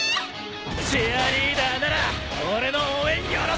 チアリーダーなら俺の応援よろしく！